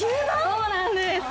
◆そうなんです。